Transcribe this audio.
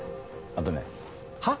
あとね「は？」。